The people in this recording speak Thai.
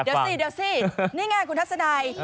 เดี๋ยวสิเดี๋ยวสินี่ไงคุณทัศนัย